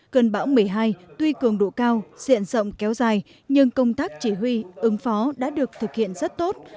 cơn bão một mươi hai tuy cường độ cao diện rộng kéo dài nhưng công tác chỉ huy ứng phó đã được thực hiện rất tốt